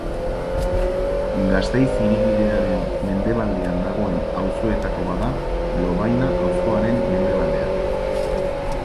Gasteiz hiribidearen mendebaldean dagoen auzoetako bat da, Lovaina auzoaren mendebaldean.